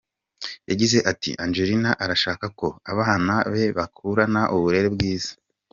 Yagize ati :« Angelina arashaka ko abana be bakurana uburere bwiza.